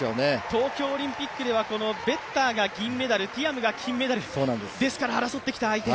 東京オリンピックではベッターが銀メダル、ティアムが金メダル、ですから争ってきた相手。